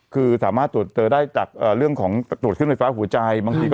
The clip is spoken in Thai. คือสามารถได้จากเรื่องของส่วนไฟฟ้าหัวใจ